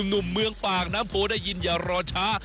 หนุ่มเมืองปากน้ำโพได้ยินอย่ารอช้า